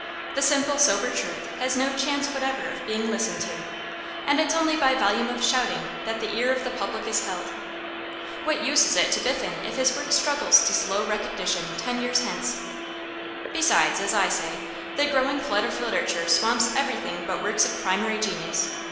The simple, sober truth has no chance whatever of being listened to, and it's only by volume of shouting that the ear of the public is held. What use is it to Biffen if his work struggles to slow recognition ten years hence? Besides, as I say, the growing flood of literature swamps everything but works of primary genius.